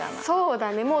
そうだね。